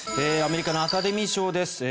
アメリカのアカデミー賞です。